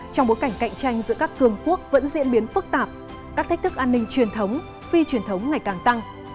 trong bối cảnh cạnh tranh giữa các cường quốc vẫn diễn biến phức tạp các thách thức an ninh truyền thống phi truyền thống ngày càng tăng